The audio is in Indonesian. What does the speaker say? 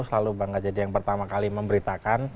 selalu bangga jadi yang pertama kali memberitakan